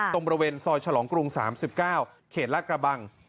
ตรงบริเวณซอยศกรุง๓๙เขตลักกระบัง